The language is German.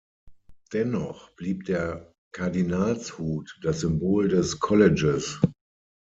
Dennoch blieb der Kardinalshut das Symbol des Colleges.